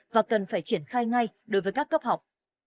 và cần phải triển khai ngay đối với các cấp học